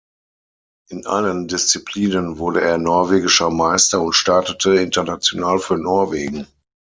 In allen Disziplinen wurde er norwegischer Meister und startete international für Norwegen.